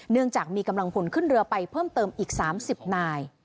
เนื่องจากมีกำลังผลขึ้นเรือไปเพิ่มเติมอีก๓๐นาย